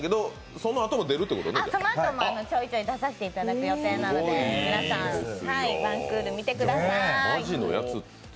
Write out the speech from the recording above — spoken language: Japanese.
そのあとも、ちょいちょい出させていただく予定なので、皆さん、１クール見てください。